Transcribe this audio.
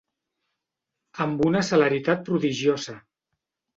Amb una celeritat prodigiosa.